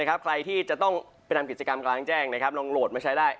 ใครที่จะต้องไปทำกิจกรรมกลางแจ้งลองโหลดมาใช้ได้